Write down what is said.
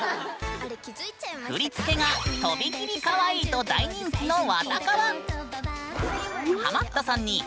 振り付けがとびきりかわいいと大人気の「わたかわ」。